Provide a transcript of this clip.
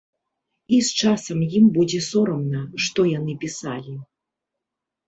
І з часам ім будзе сорамна, што яны пісалі.